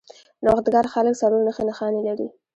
نوښتګر خلک څلور نښې نښانې لري.